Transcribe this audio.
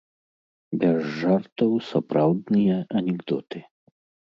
Без жартаў, сапраўдныя анекдоты.